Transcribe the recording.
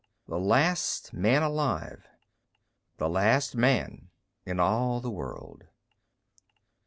_The last man alive. The last man in all the world!